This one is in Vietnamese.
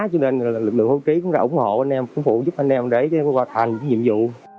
cho nên lực lượng hưu trí cũng đã ủng hộ anh em phục vụ giúp anh em để hoàn thành nhiệm vụ